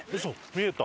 見えた？